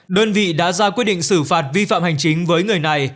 đơn vị đã ra quyết định xử phạt vi phạm hành chính với người này